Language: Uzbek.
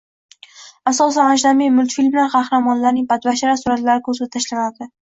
asosan ajnabiy multfilmlar qahramonlarining badbashara suratlari ko‘zga tashlanadi.